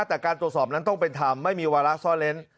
แต่การตรวจสอบนั้นต้องเป็นธรรมไม่มีวาระซ่อนเล้น